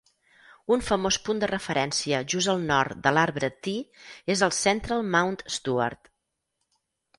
Un famós punt de referència just al nord de l'arbre Ti és el Central Mount Stuart.